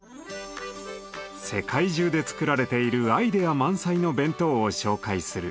世界中で作られているアイデア満載の弁当を紹介する「ＢＥＮＴＯＥＸＰＯ」。